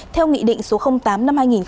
theo nghị định số tám năm hai nghìn hai mươi hai